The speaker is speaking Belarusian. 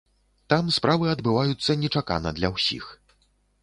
Там справы адбываюцца нечакана для ўсіх.